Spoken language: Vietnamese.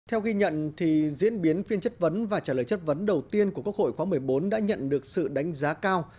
theo ghi nhận diễn biến phiên chất vấn và trả lời chất vấn đầu tiên của quốc hội khóa một mươi bốn đã nhận được sự đánh giá cao